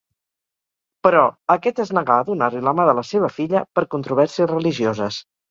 Però, aquest es nega a donar-li la mà de la seva filla, per controvèrsies religioses.